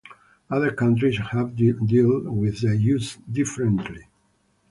Other countries have dealt with the issue differently.